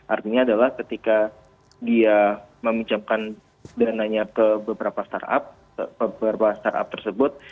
artinya adalah ketika dia meminjamkan dananya ke beberapa startup tersebut